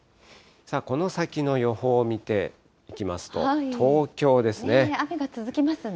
この先の予報を見ていきますと、雨が続きますね。